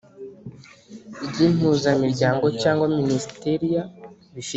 ry impuzamiryango cyangwa minisiteriya bifite